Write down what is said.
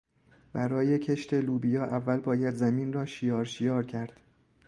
برای کشت لوبیا اول باید زمین را شیار شیار کرد.